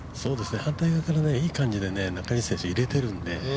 反対側からいい感じで中西選手入れてるんで。